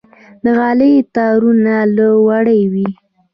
د غالۍ تارونه له وړۍ وي.